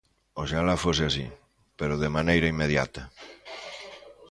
Oxalá fose así, pero de maneira inmediata.